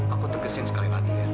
aku tegasin sekali lagi ya